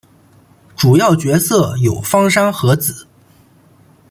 主要角色有芳山和子。